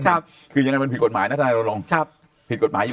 ครับคือยังไงมนพิศปิดกฎหมายทนายโรนารงค์ครับมีกฎหมายอยู่